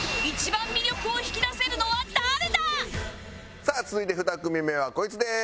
さあ続いて２組目はこいつです。